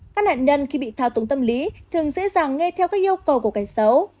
các nạn nhân khi bị thao túng tâm lý thường dễ dàng nghe theo các yêu cầu của cảnh xấu